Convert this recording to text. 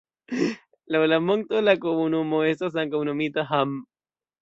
Laŭ la monto la komunumo estas ankaŭ nomita Hamm.